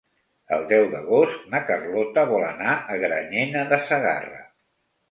El deu d'agost na Carlota vol anar a Granyena de Segarra.